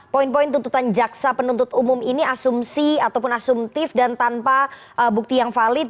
poin poin tuntutan jaksa penuntut umum ini asumsi ataupun asumtif dan tanpa bukti yang valid